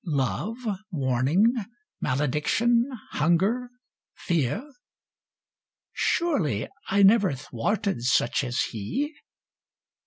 Love, wamingy malediction, hunger, fear? Surely I never thwarted such as he?